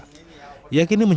yakini mencari penyelenggaraan